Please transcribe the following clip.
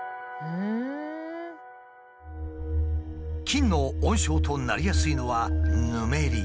菌の温床となりやすいのはぬめり。